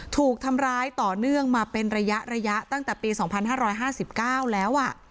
ถูกทำร้ายต่อเนื่องมาเป็นระยะตั้งแต่ปี๒๕๕๙แล้ว